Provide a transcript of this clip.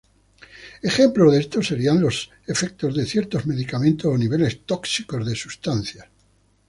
Ejemplos de esto serían los efectos de ciertos medicamentos o niveles tóxicos de sustancias.